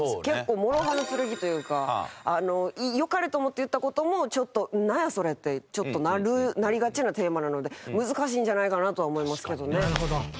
結構もろ刃の剣というか良かれと思って言った事もちょっと「なんや？それ」ってちょっとなりがちなテーマなので難しいんじゃないかなとは思いますけどね。